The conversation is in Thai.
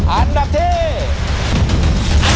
อันดับที่